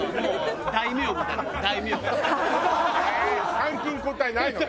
参勤交代ないのね？